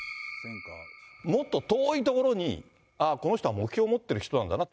もっと遠いところに、ああ、この人は目標持ってる人なんだなと。